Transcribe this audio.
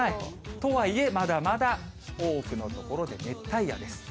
とはいえまだまだ、多くの所で熱帯夜です。